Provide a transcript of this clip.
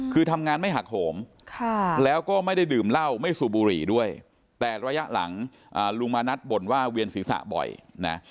คือทำงานไม่หักโหมแล้วก็ไม่ได้ดื่มเหล้าไม่สูบบุหรี่ด้วยแต่ระยะหลังลุงมานัดบ่นว่าเวียนศีรษะบ่อยนะ